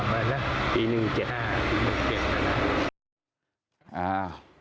ปี๑๗มาแล้ว